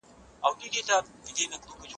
ایا د لمر وړانګې د انسان په مزاج ښه اغېزه کوي؟